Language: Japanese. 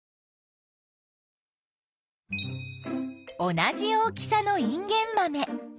同じ大きさのインゲンマメ。